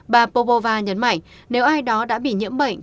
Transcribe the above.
bà pobova nhấn mạnh nếu ai đó đã bị nhiễm bệnh